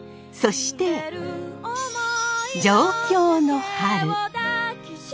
そして上京の春。